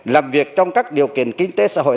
làm việc trong các điều kiện kinh tế xã hội